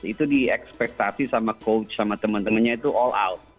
itu diekspektasi sama coach sama teman temannya itu all out